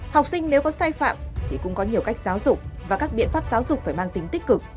học sinh nếu có sai phạm thì cũng có nhiều cách giáo dục và các biện pháp giáo dục phải mang tính tích cực